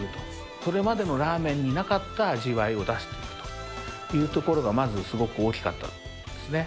それまでのラーメンになかった味わいを出したというのがまずすごく大きかったですね。